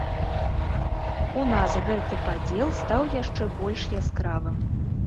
У нас гэты падзел стаў яшчэ больш яскравым.